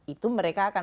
itu mereka akan